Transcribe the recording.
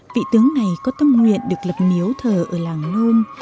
vị tướng này có tâm nguyện được lập miếu thờ ở làng nôn